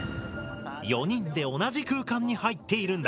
４人で同じ空間に入っているんだ。